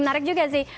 menarik juga sih